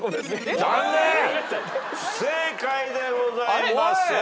残念不正解でございます。